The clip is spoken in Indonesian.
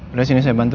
udah sini saya bantu